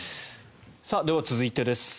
では、続いてです。